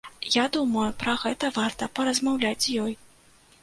Я думаю, пра гэта варта паразмаўляць з ёй.